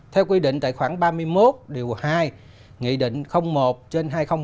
theo quy định tài khoản ba mươi một điều hai nghị định một trên hai nghìn một mươi